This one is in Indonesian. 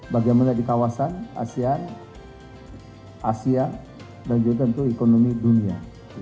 bagaimana di kawasan asia dan juga untuk ekonomi dunia